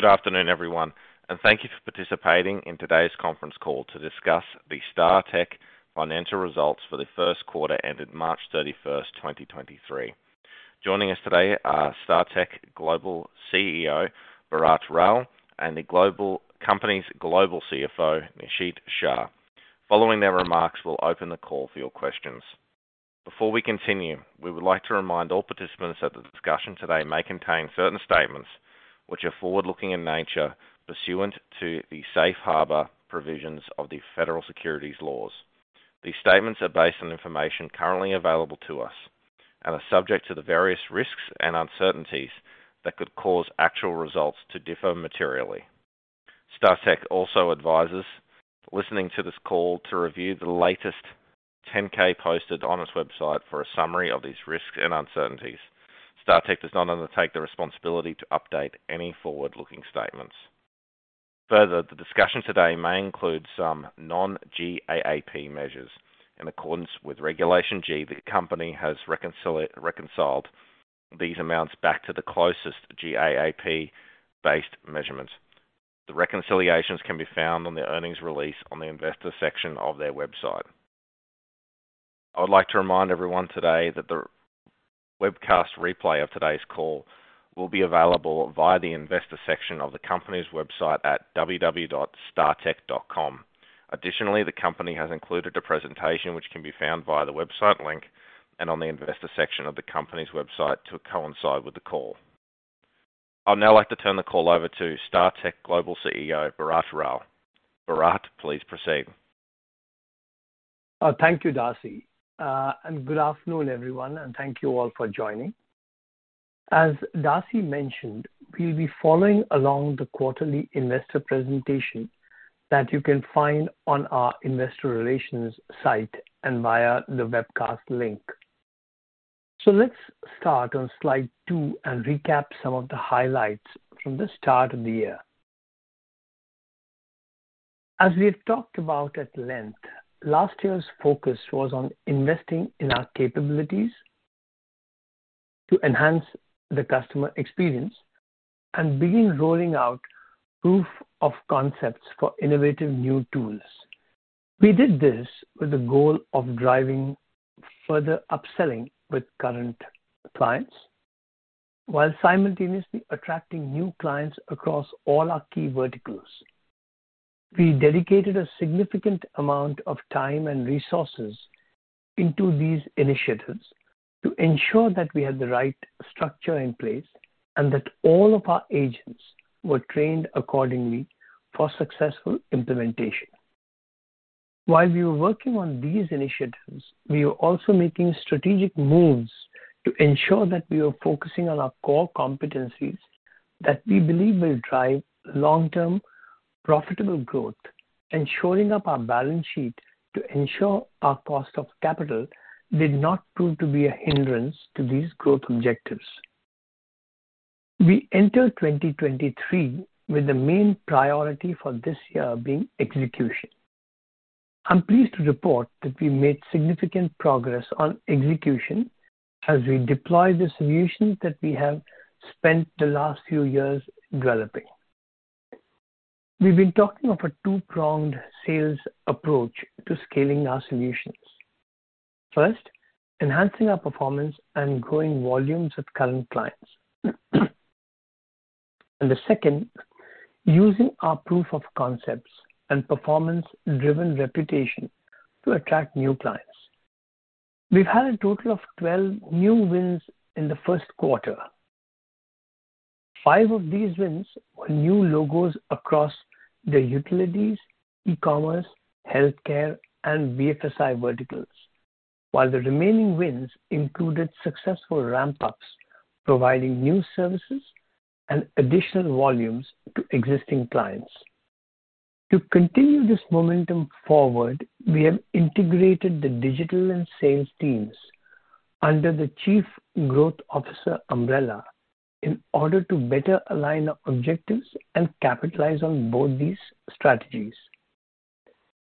Good afternoon, everyone, thank you for participating in today's conference call to discuss the Startek financial results for the first quarter ended March 31, 2023. Joining us today are Startek Global CEO, Bharat Rao, and the company's Global CFO, Nishit Shah. Following their remarks, we'll open the call for your questions. Before we continue, we would like to remind all participants that the discussion today may contain certain statements which are forward-looking in nature pursuant to the safe harbor provisions of the federal securities laws. These statements are based on information currently available to us and are subject to the various risks and uncertainties that could cause actual results to differ materially. Startek also advises listening to this call to review the latest 10-K posted on its website for a summary of these risks and uncertainties. Startek does not undertake the responsibility to update any forward-looking statements. Further, the discussion today may include some non-GAAP measures. In accordance with Regulation G, the company has reconciled these amounts back to the closest GAAP-based measurements. The reconciliations can be found on the earnings release on the investor section of their website. I would like to remind everyone today that the webcast replay of today's call will be available via the investor section of the company's website at www.startek.com. Additionally, the company has included a presentation which can be found via the website link and on the investor section of the company's website to coincide with the call. I'd now like to turn the call over to Startek Global CEO, Bharat Rao. Bharat, please proceed. Thank you, Darcy. Good afternoon, everyone, and thank you all for joining. As Darcy mentioned, we'll be following along the quarterly investor presentation that you can find on our investor relations site and via the webcast link. Let's start on slide two and recap some of the highlights from the start of the year. As we had talked about at length, last year's focus was on investing in our capabilities to enhance the customer experience and begin rolling out proof of concepts for innovative new tools. We did this with the goal of driving further upselling with current clients while simultaneously attracting new clients across all our key verticals. We dedicated a significant amount of time and resources into these initiatives to ensure that we had the right structure in place and that all of our agents were trained accordingly for successful implementation. While we were working on these initiatives, we were also making strategic moves to ensure that we were focusing on our core competencies that we believe will drive long-term profitable growth and shoring up our balance sheet to ensure our cost of capital did not prove to be a hindrance to these growth objectives. We enter 2023 with the main priority for this year being execution. I'm pleased to report that we made significant progress on execution as we deploy the solutions that we have spent the last few years developing. We've been talking of a two-pronged sales approach to scaling our solutions. First, enhancing our performance and growing volumes with current clients. The second, using our proof of concepts and performance-driven reputation to attract new clients. We've had a total of 12 new wins in the first quarter. Five of these wins were new logos across the utilities, e-commerce, healthcare, and BFSI verticals, while the remaining wins included successful ramp-UPS, providing new services and additional volumes to existing clients. To continue this momentum forward, we have integrated the digital and sales teams under the Chief Growth Officer umbrella in order to better align our objectives and capitalize on both these strategies.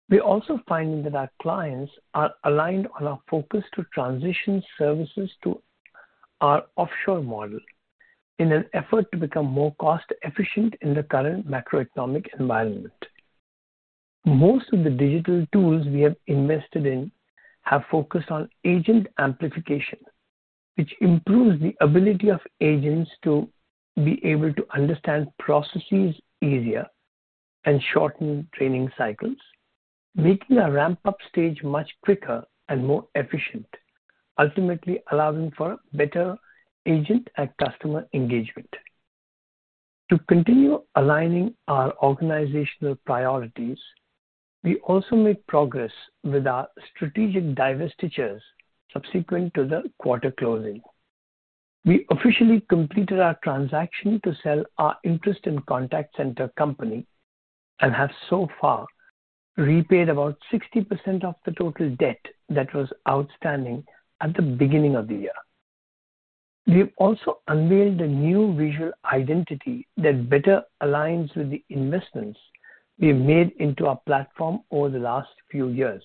We're also finding that our clients are aligned on our focus to transition services to our offshore model in an effort to become more cost-efficient in the current macroeconomic environment. Most of the digital tools we have invested in have focused on agent amplification, which improves the ability of agents to be able to understand processes easier and shorten training cycles, making our ramp-up stage much quicker and more efficient, ultimately allowing for better agent and customer engagement. To continue aligning our organizational priorities, we also made progress with our strategic divestitures subsequent to the quarter closing. We officially completed our transaction to sell our interest in Contact Center Company and have so far repaid about 60% of the total debt that was outstanding at the beginning of the year. We have also unveiled a new visual identity that better aligns with the investments we have made into our platform over the last few years.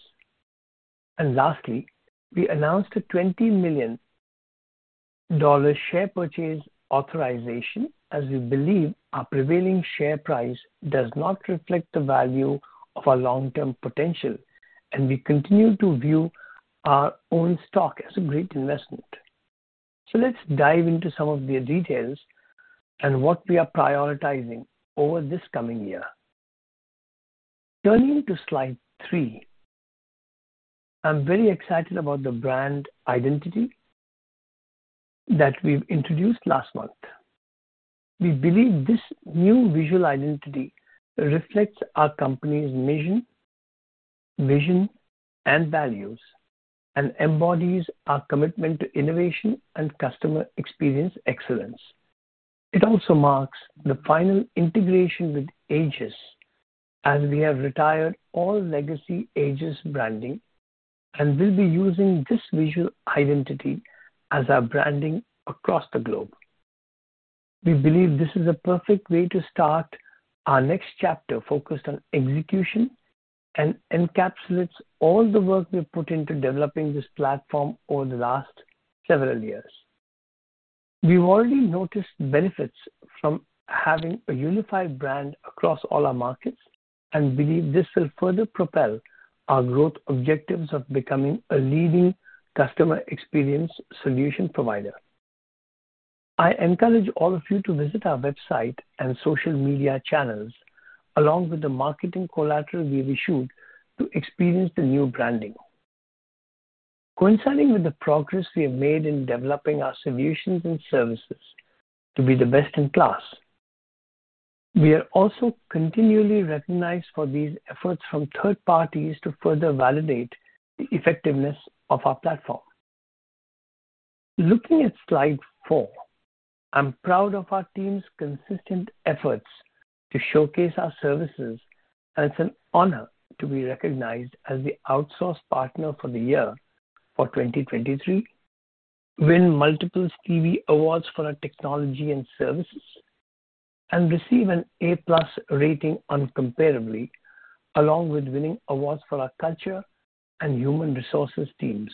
Lastly, we announced a $20 million share purchase authorization as we believe our prevailing share price does not reflect the value of our long-term potential, and we continue to view our own stock as a great investment. Let's dive into some of the details and what we are prioritizing over this coming year. Turning to slide three. I'm very excited about the brand identity that we've introduced last month. We believe this new visual identity reflects our company's mission, vision, and values and embodies our commitment to innovation and customer experience excellence. It also marks the final integration with Aegis, as we have retired all legacy Aegis branding and will be using this visual identity as our branding across the globe. We believe this is a perfect way to start our next chapter focused on execution and encapsulates all the work we've put into developing this platform over the last several years. We've already noticed benefits from having a unified brand across all our markets and believe this will further propel our growth objectives of becoming a leading customer experience solution provider. I encourage all of you to visit our website and social media channels, along with the marketing collateral we've issued to experience the new branding. Coinciding with the progress we have made in developing our solutions and services to be the best in class, we are also continually recognized for these efforts from third parties to further validate the effectiveness of our platform. Looking at slide four, I'm proud of our team's consistent efforts to showcase our services, and it's an honor to be recognized as the outsource partner for the year for 2023, win multiple Stevie Awards for our technology and services, and receive an A-plus rating incomparably, along with winning awards for our culture and human resources teams.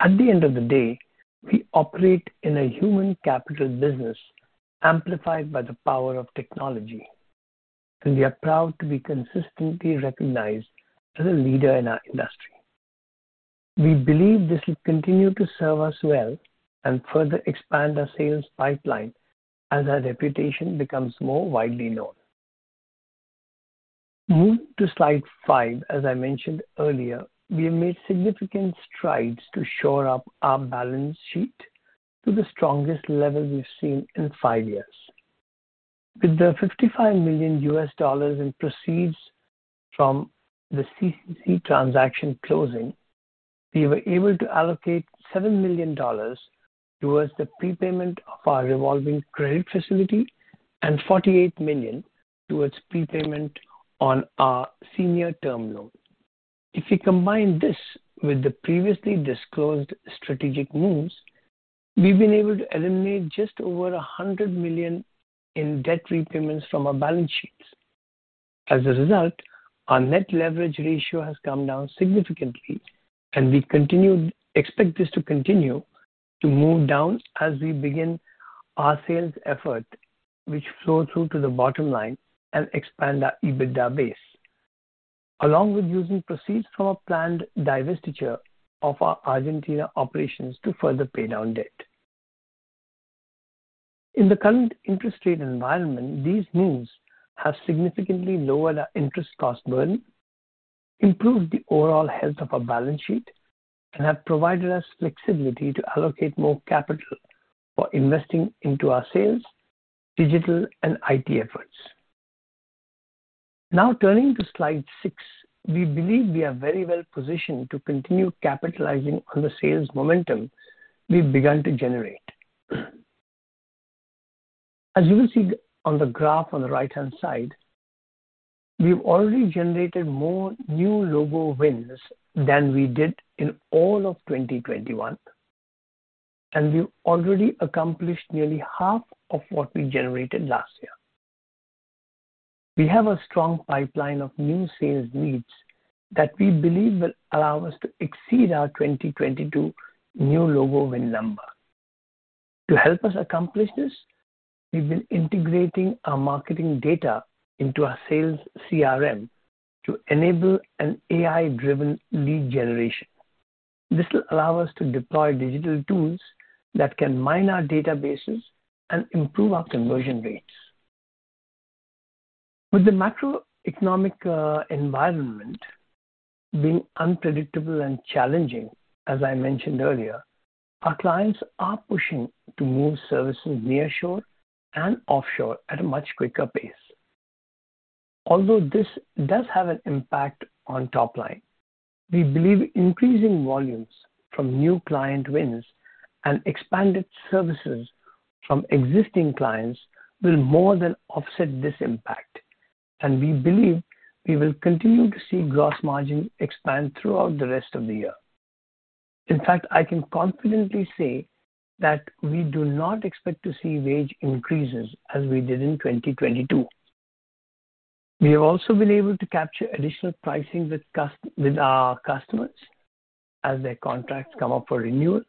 At the end of the day, we operate in a human capital business amplified by the power of technology, and we are proud to be consistently recognized as a leader in our industry. We believe this will continue to serve us well and further expand our sales pipeline as our reputation becomes more widely known. Moving to slide five. As I mentioned earlier, we have made significant strides to shore up our balance sheet to the strongest level we've seen in five years. With the $55 million in proceeds from the CCC transaction closing, we were able to allocate $7 million towards the prepayment of our revolving credit facility and $48 million towards prepayment on our senior term loan. If you combine this with the previously disclosed strategic moves, we've been able to eliminate just over $100 million in debt repayments from our balance sheets. As a result, our net leverage ratio has come down significantly, and we expect this to continue to move down as we begin our sales effort, which flow through to the bottom line and expand our EBITDA base. Along with using proceeds from our planned divestiture of our Argentina operations to further pay down debt. In the current interest rate environment, these moves have significantly lowered our interest cost burden, improved the overall health of our balance sheet, and have provided us flexibility to allocate more capital for investing into our sales, digital, and IT efforts. Now turning to slide six. We believe we are very well positioned to continue capitalizing on the sales momentum we've begun to generate. As you will see on the graph on the right-hand side, we've already generated more new logo wins than we did in all of 2021, and we've already accomplished nearly half of what we generated last year. We have a strong pipeline of new sales leads that we believe will allow us to exceed our 2022 new logo win number. To help us accomplish this, we've been integrating our marketing data into our sales CRM to enable an AI-driven lead generation. This will allow us to deploy digital tools that can mine our databases and improve our conversion rates. With the macroeconomic environment being unpredictable and challenging, as I mentioned earlier, our clients are pushing to move services nearshore and offshore at a much quicker pace. Although this does have an impact on top line, we believe increasing volumes from new client wins and expanded services from existing clients will more than offset this impact. We believe we will continue to see gross margin expand throughout the rest of the year. In fact, I can confidently say that we do not expect to see wage increases as we did in 2022. We have also been able to capture additional pricing with our customers as their contracts come up for renewal,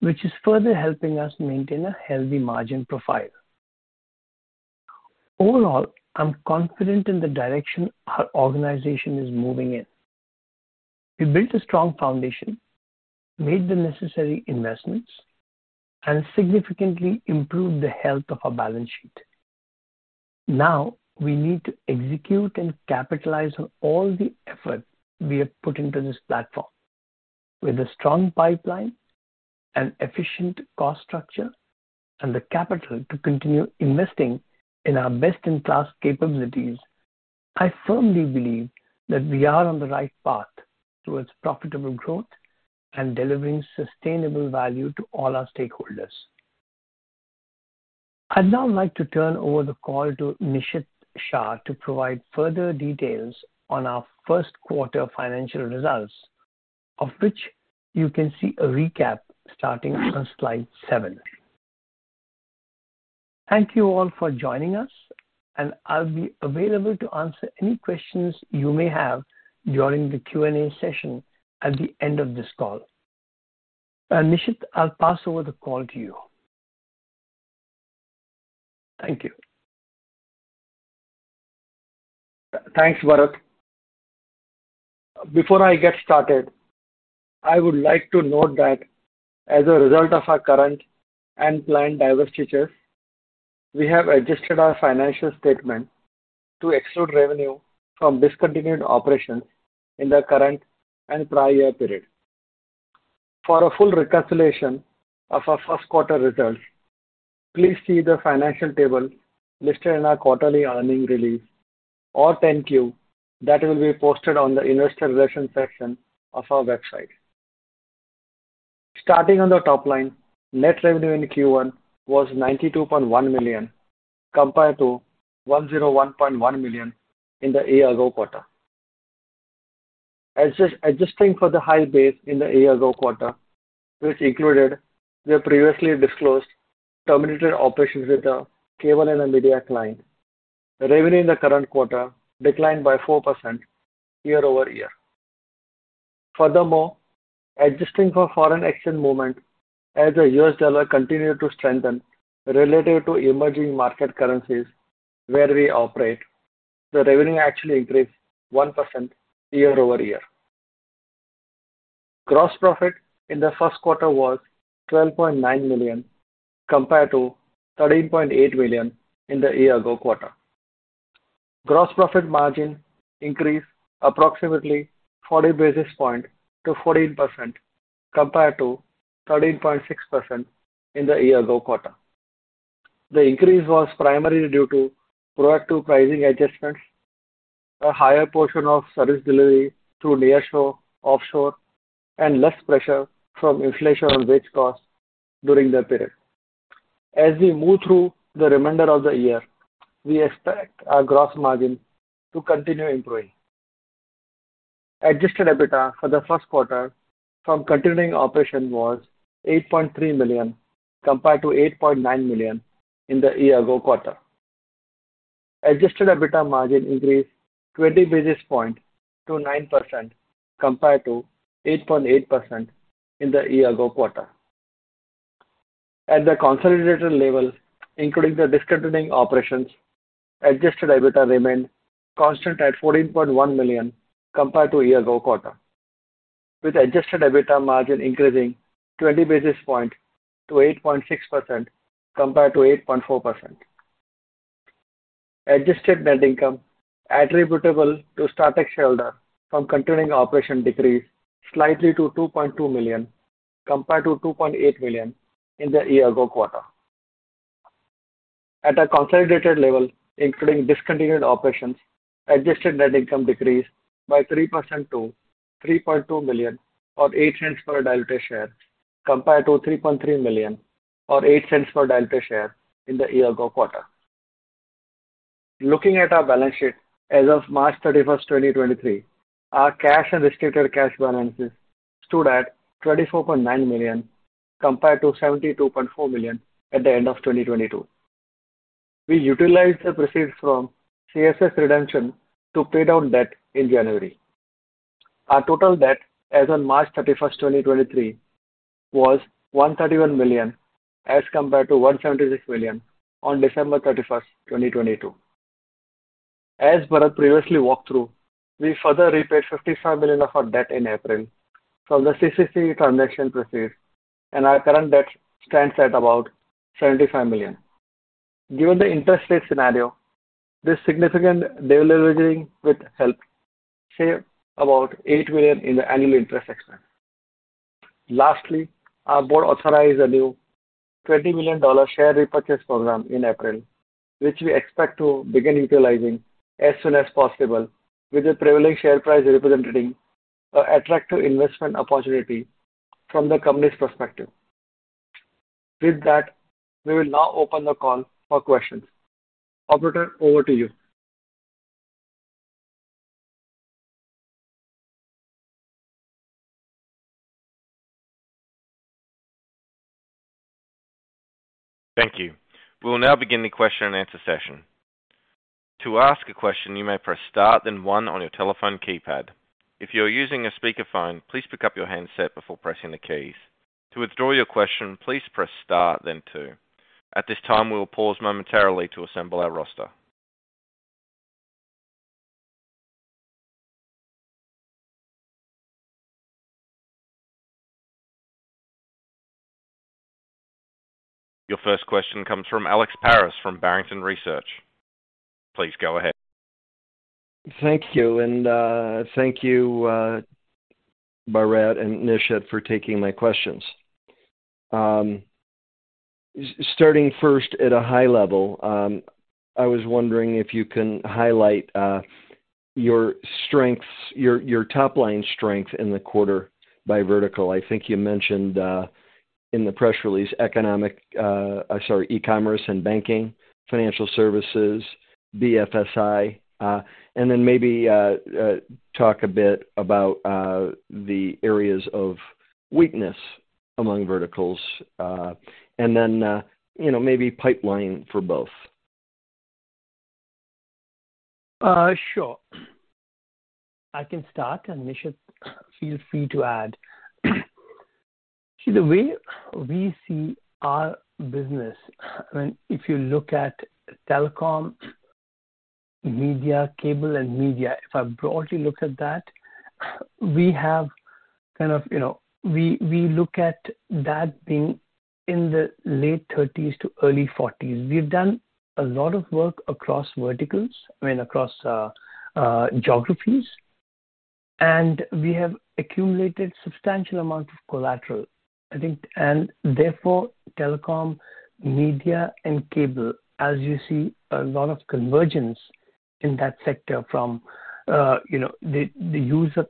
which is further helping us maintain a healthy margin profile. I'm confident in the direction our organization is moving in. We built a strong foundation, made the necessary investments, and significantly improved the health of our balance sheet. We need to execute and capitalize on all the effort we have put into this platform. With a strong pipeline and efficient cost structure and the capital to continue investing in our best-in-class capabilities, I firmly believe that we are on the right path towards profitable growth and delivering sustainable value to all our stakeholders. I'd now like to turn over the call to Nishit Shah to provide further details on our first quarter financial results, of which you can see a recap starting on slide seven. Thank you all for joining us, and I'll be available to answer any questions you may have during the Q&A session at the end of this call. Nishit, I'll pass over the call to you. Thank you. Thanks, Bharat. Before I get started, I would like to note that as a result of our current and planned divestitures, we have adjusted our financial statement to exclude revenue from discontinued operations in the current and prior period. For a full reconciliation of our first quarter results, please see the financial table listed in our quarterly earning release or 10-Q that will be posted on the investor relations section of our website. Starting on the top line, net revenue in Q1 was $92.1 million compared to $101.1 million in the year ago quarter. Adjusting for the high base in the year ago quarter, which included the previously disclosed terminated operations with a cable and a media client. Revenue in the current quarter declined by 4% year-over-year. Furthermore, adjusting for foreign exchange movement as the U.S. dollar continued to strengthen relative to emerging market currencies where we operate, the revenue actually increased 1% year-over-year. Gross profit in the first quarter was $12.9 million compared to $13.8 million in the year ago quarter. Gross profit margin increased approximately 40 basis points to 14% compared to 13.6% in the year ago quarter. The increase was primarily due to proactive pricing adjustments, a higher portion of service delivery through nearshore, offshore, and less pressure from inflation on wage costs during the period. As we move through the remainder of the year, we expect our gross margin to continue improving. Adjusted EBITDA for the first quarter from continuing operation was $8.3 million compared to $8.9 million in the year ago quarter. Adjusted EBITDA margin increased 20 basis point to 9% compared to 8.8% in the year ago quarter. At the consolidated level, including the discontinuing operations, adjusted EBITDA remained constant at $14.1 million compared to a year ago quarter, with adjusted EBITDA margin increasing 20 basis point to 8.6% compared to 8.4%. Adjusted net income attributable to Startek shareholders from continuing operation decreased slightly to $2.2 million compared to $2.8 million in the year ago quarter. At a consolidated level, including discontinued operations, adjusted net income decreased by 3% to $3.2 million or $0.08 per diluted share, compared to $3.3 million or $0.08 per diluted share in the year ago quarter. Looking at our balance sheet as of March 31, 2023, our cash and restricted cash balances stood at $24.9 million, compared to $72.4 million at the end of 2022. We utilized the proceeds from CSS redemption to pay down debt in January. Our total debt as on March 31, 2023, was $131 million, as compared to $176 million on December 31, 2022. As Bharat previously walked through, we further repaid $55 million of our debt in April from the CCC transaction proceeds, and our current debt stands at about $75 million. Given the interest rate scenario, this significant deleveraging will help save about $8 million in the annual interest expense. Lastly, our board authorized a new $20 million share repurchase program in April, which we expect to begin utilizing as soon as possible with the prevailing share price representing an attractive investment opportunity from the company's perspective. With that, we will now open the call for questions. Operator, over to you. Thank you. We'll now begin the question and answer session. To ask a question, you may press star then one on your telephone keypad. If you're using a speakerphone, please pick up your handset before pressing the keys. To withdraw your question, please press star then two. At this time, we will pause momentarily to assemble our roster. Your first question comes from Alex Paris from Barrington Research. Please go ahead. Thank you. Thank you, Bharat and Nishit for taking my questions. Starting first at a high level, I was wondering if you can highlight your strengths, your top-line strength in the quarter by vertical. I think you mentioned in the press release, sorry, e-commerce and banking, financial services, BFSI. Then maybe talk a bit about the areas of weakness among verticals. Then, you know, maybe pipeline for both. Sure. I can start, and Nishit, feel free to add. The way we see our business, I mean, if you look at telecom, media, cable, and media, if I broadly look at that, we have kind of, you know, we look at that being in the late thirties to early forties. We've done a lot of work across verticals, I mean, across geographies, and we have accumulated substantial amount of collateral, I think. Therefore, telecom, media, and cable, as you see a lot of convergence in that sector from, you know,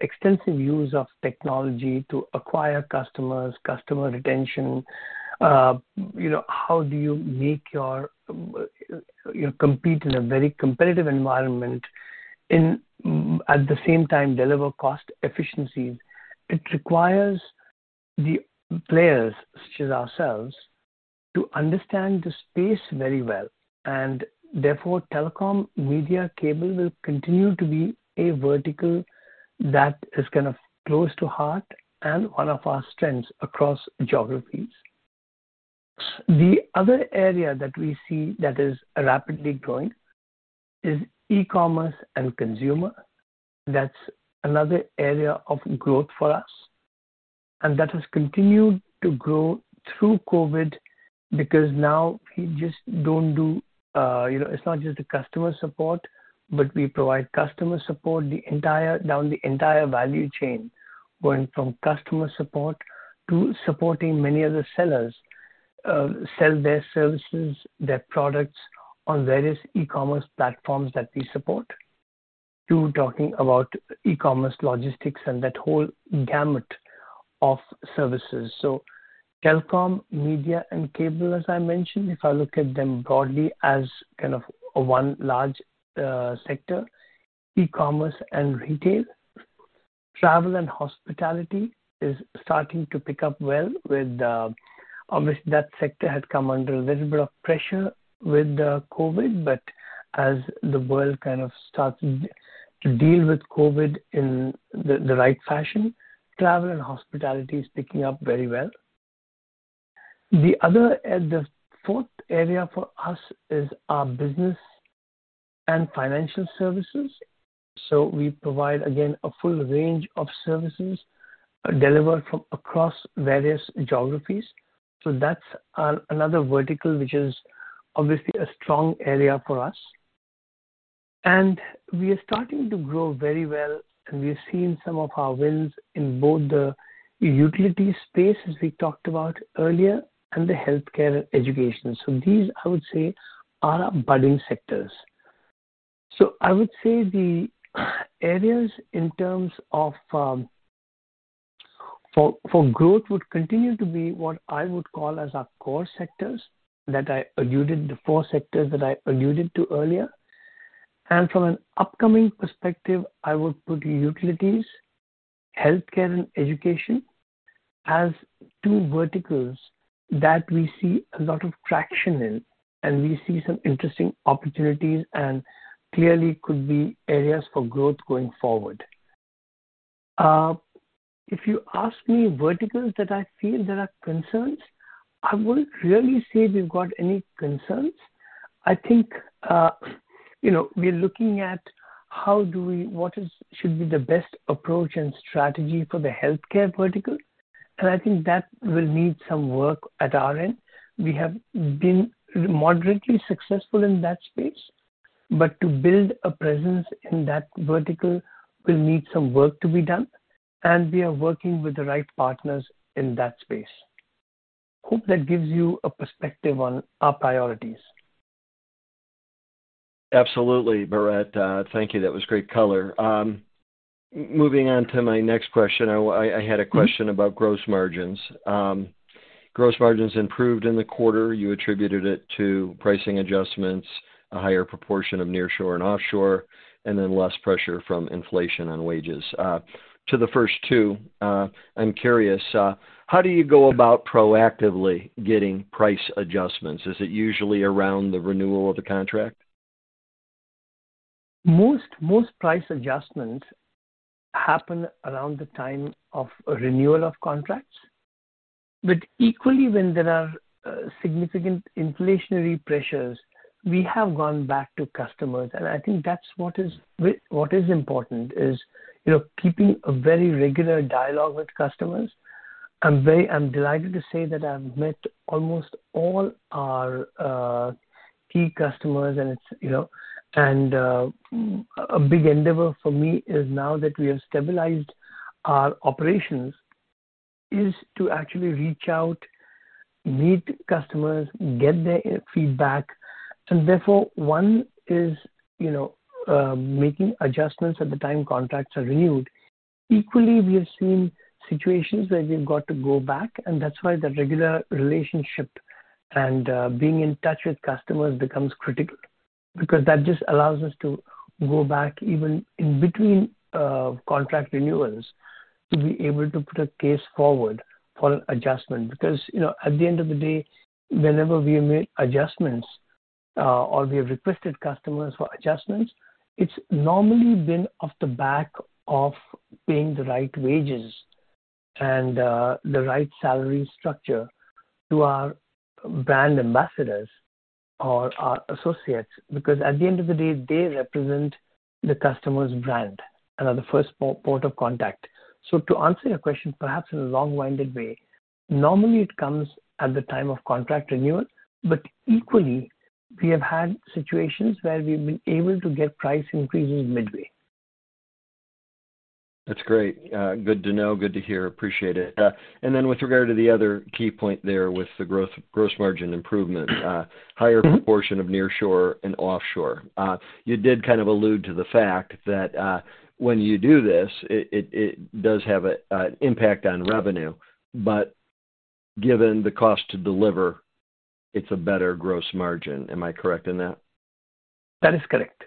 extensive use of technology to acquire customers, customer retention. You know, how do you make you compete in a very competitive environment and at the same time deliver cost efficiencies. It requires the players, such as ourselves, to understand the space very well and therefore telecom, media, cable will continue to be a vertical that is kind of close to heart and one of our strengths across geographies. The other area that we see that is rapidly growing is e-commerce and consumer. That's another area of growth for us, and that has continued to grow through COVID because now we just don't do, you know, it's not just the customer support, but we provide customer support down the entire value chain. Going from customer support to supporting many other sellers, sell their services, their products on various e-commerce platforms that we support, to talking about e-commerce logistics and that whole gamut of services. Telecom, media, and cable, as I mentioned, if I look at them broadly as kind of one large sector. E-commerce and retail. Travel and hospitality is starting to pick up well with the. Obviously, that sector had come under a little bit of pressure with the COVID, but as the world kind of started to deal with COVID in the right fashion, travel, and hospitality is picking up very well. The other, the fourth area for us is our business and financial services. We provide, again, a full range of services delivered from across various geographies. That's another vertical, which is obviously a strong area for us. We are starting to grow very well, and we have seen some of our wins in both the utility space, as we talked about earlier, and the healthcare and education. These, I would say, are our budding sectors. I would say the areas in terms of for growth would continue to be what I would call as our core sectors the four sectors that I alluded to earlier. From an upcoming perspective, I would put utilities, healthcare, and education as two verticals that we see a lot of traction in and we see some interesting opportunities and clearly could be areas for growth going forward. If you ask me verticals that I feel there are concerns, I wouldn't really say we've got any concerns. I think, you know, we're looking at how do we what should be the best approach and strategy for the healthcare vertical, and I think that will need some work at our end. We have been moderately successful in that space, but to build a presence in that vertical will need some work to be done, and we are working with the right partners in that space. Hope that gives you a perspective on our priorities. Absolutely, Bharat. Thank you. That was great color. Moving on to my next question. I had a question about gross margins. Gross margins improved in the quarter. You attributed it to pricing adjustments, a higher proportion of nearshore, and offshore, and then less pressure from inflation on wages. To the first two, I'm curious, how do you go about proactively getting price adjustments? Is it usually around the renewal of the contract? Most price adjustments happen around the time of renewal of contracts. Equally, when there are significant inflationary pressures, we have gone back to customers, and I think that's what is important is, you know, keeping a very regular dialogue with customers. I'm delighted to say that I've met almost all our key customers and it's, you know. A big endeavor for me is now that we have stabilized our operations, is to actually reach out, meet customers, get their feedback. Therefore, one is, you know, making adjustments at the time contracts are renewed. Equally, we have seen situations where we've got to go back, that's why the regular relationship and being in touch with customers becomes critical because that just allows us to go back even in between contract renewals to be able to put a case forward for an adjustment. You know, at the end of the day, whenever we make adjustments or we have requested customers for adjustments, it's normally been off the back of paying the right wages and the right salary structure to our brand ambassadors or our associates, because at the end of the day, they represent the customer's brand and are the first port of contact. To answer your question, perhaps in a long-winded way, normally it comes at the time of contract renewal. Equally, we have had situations where we've been able to get price increases midway. That's great. Good to know. Good to hear. Appreciate it. With regard to the other key point there with the growth, gross margin improvement. Mm-hmm. Higher proportion of nearshore and offshore. You did kind of allude to the fact that, when you do this, it does have an impact on revenue, but given the cost to deliver, it's a better gross margin. Am I correct in that? That is correct.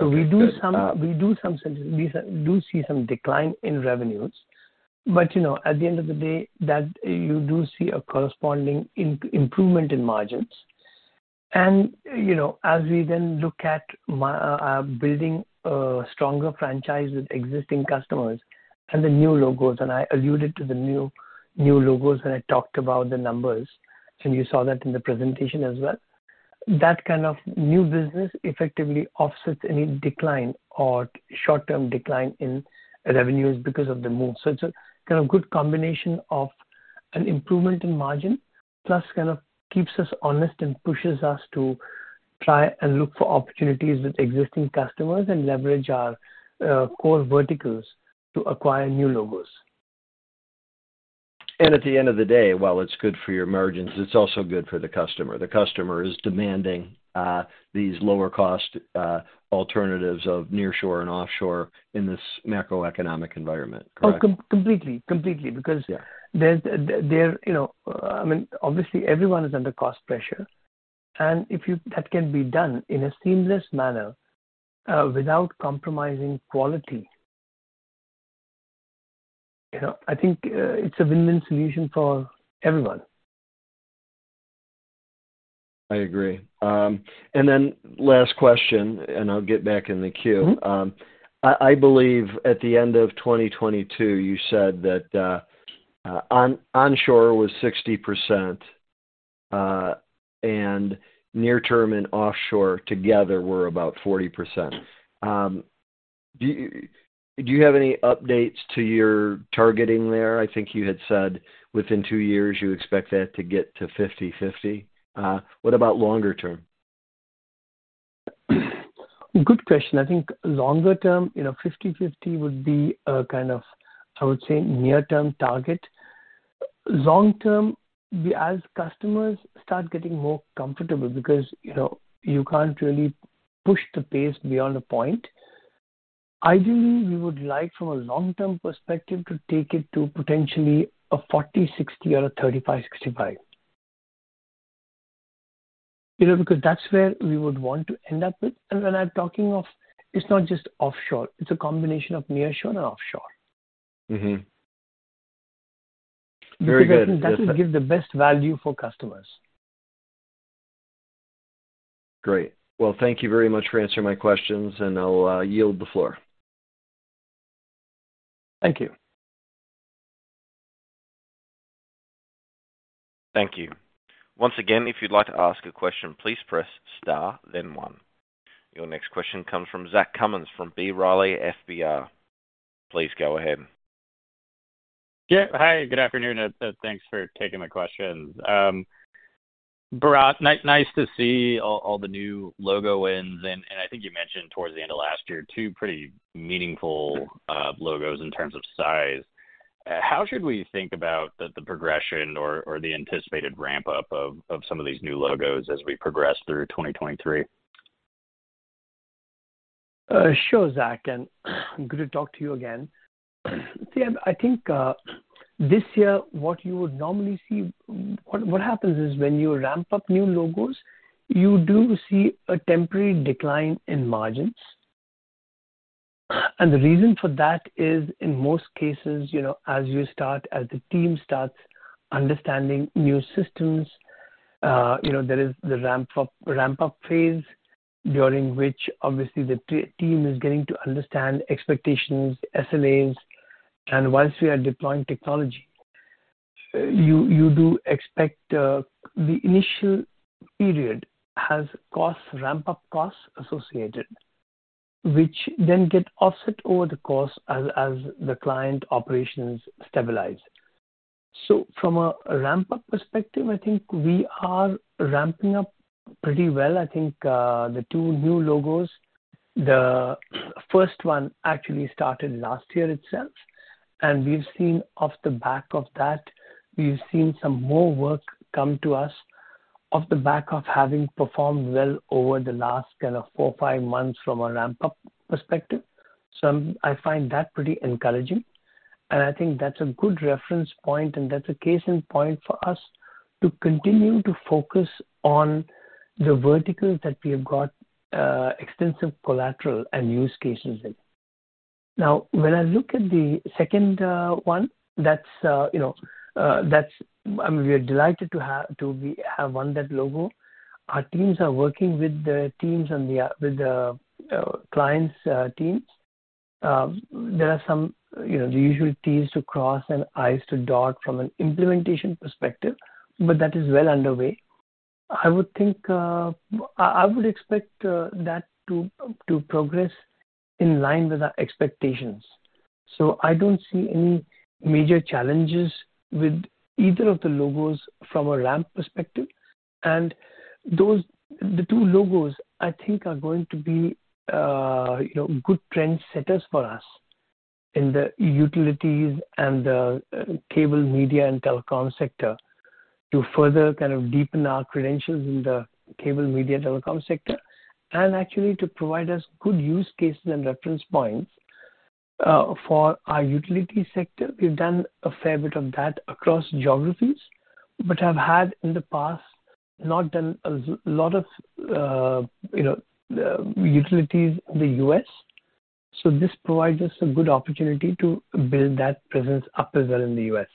Okay. Good. We do see some decline in revenues. You know, at the end of the day, that you do see a corresponding improvement in margins. You know, as we then look at my building a stronger franchise with existing customers and the new logos, and I alluded to the new logos when I talked about the numbers, and you saw that in the presentation as well. That kind of new business effectively offsets any decline or short-term decline in revenues because of the move. It's a kind of good combination of an improvement in margin, plus kind of keeps us honest and pushes us to try and look for opportunities with existing customers and leverage our core verticals to acquire new logos. At the end of the day, while it's good for your margins, it's also good for the customer. The customer is demanding these lower cost alternatives of nearshore and offshore in this macroeconomic environment, correct? Oh, completely. Completely. Yeah. Because there, you know, I mean, obviously everyone is under cost pressure. That can be done in a seamless manner, without compromising quality. You know, I think, it's a win-win solution for everyone. I agree. Last question, and I'll get back in the queue. Mm-hmm. I believe at the end of 2022, you said that, onshore was 60%, and near-term and offshore together were about 40%. Do you have any updates to your targeting there? I think you had said within two years you expect that to get to 50/50. What about longer term? Good question. I think longer term, you know, 50/50 would be a kind of, I would say near term target. Long term, as customers start getting more comfortable because, you know, you can't really push the pace beyond a point. Ideally, we would like from a long-term perspective to take it to potentially a 40/60 or a 35/65. You know, because that's where we would want to end up with. When I'm talking of, it's not just offshore, it's a combination of nearshore and offshore. Mm-hmm. Very good. That's- I think that will give the best value for customers. Great. Well, thank you very much for answering my questions, and I'll yield the floor. Thank you. Thank you. Once again, if you'd like to ask a question, please press star then one. Your next question comes from Zach Cummins from B. Riley Securities. Please go ahead. Yeah. Hi, good afternoon. Thanks for taking my questions. Bharat, nice to see all the new logo wins. I think you mentioned towards the end of last year, two pretty meaningful logos in terms of size. How should we think about the progression or the anticipated ramp-up of some of these new logos as we progress through 2023? Sure, Zach, and good to talk to you again. See, I think, this year, what happens is when you ramp up new logos, you do see a temporary decline in margins. The reason for that is, in most cases, you know, as you start, as the team starts understanding new systems, you know, there is the ramp-up phase during which obviously the team is getting to understand expectations, SLAs. Once we are deploying technology, you do expect the initial period has costs, ramp-up costs associated, which then get offset over the course as the client operations stabilize. From a ramp-up perspective, I think we are ramping up pretty well. I think, the two new logos, the first one actually started last year itself. We've seen off the back of that, we've seen some more work come to us off the back of having performed well over the last kind of four or five months from a ramp-up perspective. I find that pretty encouraging. I think that's a good reference point. That's a case in point for us to continue to focus on the verticals that we have got, extensive collateral and use cases in. Now, when I look at the second, one, that's, you know, we are delighted to have won that logo. Our teams are working with the teams on the, with the, client's, teams. There are some, you know, the usual T's to cross and I's to dot from an implementation perspective, but that is well underway. I would think, I would expect that to progress in line with our expectations. I don't see any major challenges with either of the logos from a ramp perspective. The two logos, I think, are going to be, you know, good trend setters for us in the utilities and the cable media and telecom sector to further kind of deepen our credentials in the cable media telecom sector. Actually to provide us good use cases and reference points for our utility sector. We've done a fair bit of that across geographies, but have had in the past not done a lot of, you know, utilities in the U.S. This provides us a good opportunity to build that presence up as well in the U.S.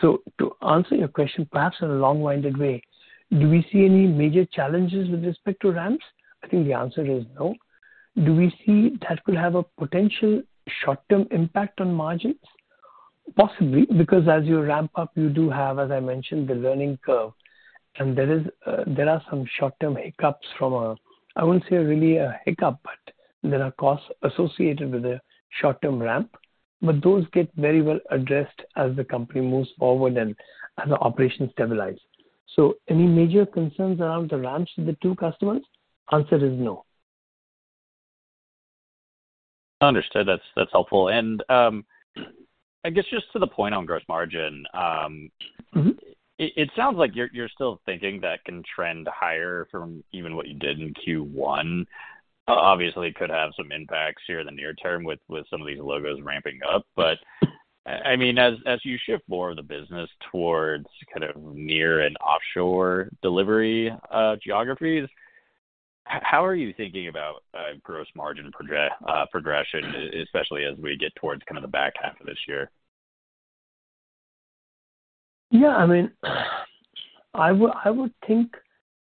To answer your question, perhaps in a long-winded way, do we see any major challenges with respect to ramps? I think the answer is no. Do we see that could have a potential short-term impact on margins? Possibly. Because as you ramp up, you do have, as I mentioned, the learning curve. There are some short-term hiccups. I wouldn't say really a hiccup, but there are costs associated with a short-term ramp. Those get very well addressed as the company moves forward and as the operations stabilize. Any major concerns around the ramps with the two customers? Answer is no. Understood. That's helpful. I guess just to the point on gross margin. Mm-hmm. It sounds like you're still thinking that can trend higher from even what you did in Q1. Obviously, it could have some impacts here in the near term with some of these logos ramping up. I mean, as you shift more of the business towards kind of near and offshore delivery, geographies, how are you thinking about gross margin progression, especially as we get towards kind of the back half of this year? I mean, I would think,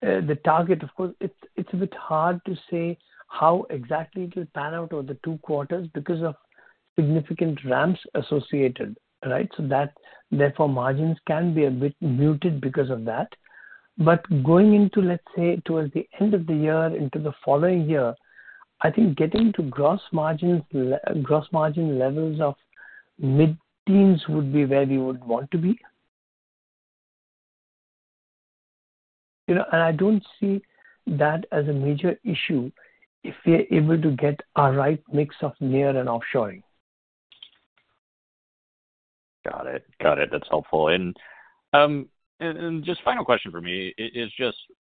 the target. It's a bit hard to say how exactly it will pan out over the two quarters because of significant ramps associated, right? Therefore, margins can be a bit muted because of that. Going into, let's say, towards the end of the year into the following year, I think getting to gross margin levels of mid-teens would be where we would want to be. You know, I don't see that as a major issue if we're able to get our right mix of near and offshoring. Got it. That's helpful. Just final question for me is just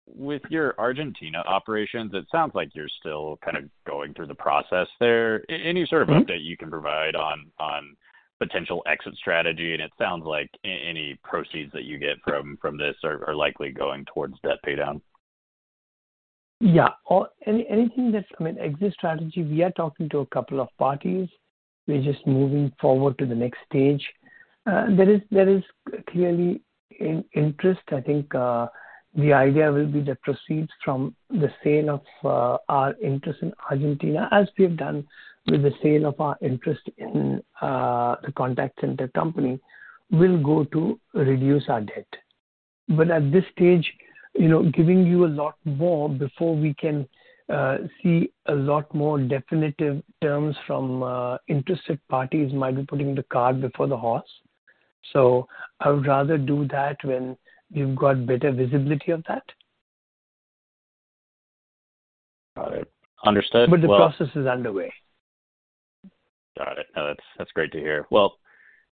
with your Argentina operations, it sounds like you're still kind of going through the process there. Mm-hmm. Any sort of update you can provide on potential exit strategy? It sounds like any proceeds that you get from this are likely going towards debt paydown. Yeah. Or anything that's. I mean, exit strategy, we are talking to a couple of parties. We're just moving forward to the next stage. There is clearly interest. I think the idea will be the proceeds from the sale of our interest in Argentina, as we have done with the sale of our interest in the Contact Center Company, will go to reduce our debt. At this stage, you know, giving you a lot more before we can see a lot more definitive terms from interested parties might be putting the cart before the horse. I would rather do that when we've got better visibility of that. Got it. Understood. The process is underway. Got it. No, that's great to hear.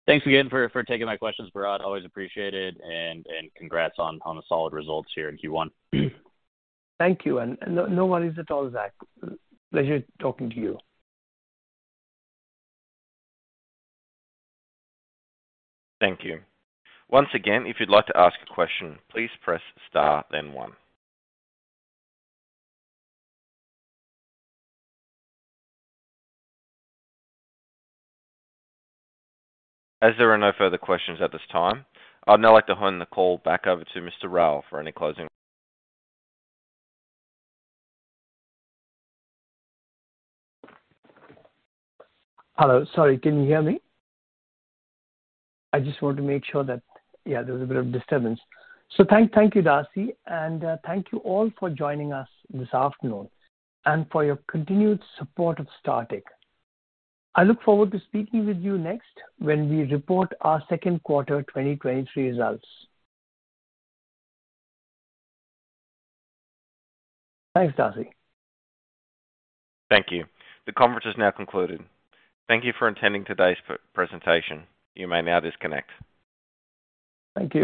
Thanks again for taking my questions, Bharat. Always appreciate it, and congrats on the solid results here in Q1. Thank you. No worries at all, Zach. Pleasure talking to you. Thank you. Once again, if you'd like to ask a question, please press star then one. There are no further questions at this time, I'd now like to hand the call back over to Mr. Rao for any closing. Hello. Sorry, can you hear me? I just want to make sure that. Yeah, there was a bit of disturbance. Thank you, Darcy, and thank you all for joining us this afternoon and for your continued support of Startek. I look forward to speaking with you next when we report our second quarter 2023 results. Thanks, Darcy. Thank you. The conference is now concluded. Thank you for attending today's pre-presentation. You may now disconnect. Thank you.